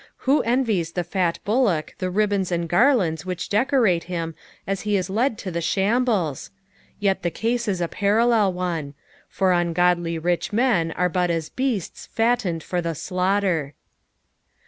Who envies the fat bullock the ribbons and garlands which decorate him as he is led to the sliambles t Tet the case is a paraliel one ; for ungodly rich men ore but as beasts fattened for the slaughter.